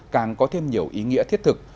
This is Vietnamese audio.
càng có thêm nhiều ý nghĩa thiết thực